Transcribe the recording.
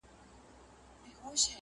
مُلا دي لولي زه سلګۍ درته وهمه.!